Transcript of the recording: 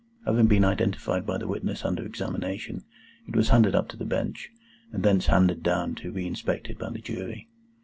Having been identified by the witness under examination, it was handed up to the Bench, and thence handed down to be inspected by the Jury.